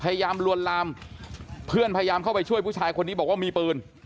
ลวนลามเพื่อนพยายามเข้าไปช่วยผู้ชายคนนี้บอกว่ามีปืน